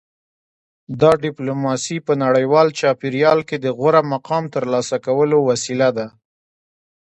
دا ډیپلوماسي په نړیوال چاپیریال کې د غوره مقام ترلاسه کولو وسیله ده